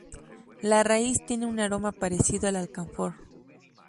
La raíz tiene un aroma parecido al alcanfor.